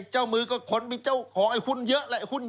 เจ้ามือก็คนมีเจ้าของไอ้หุ้นเยอะแหละ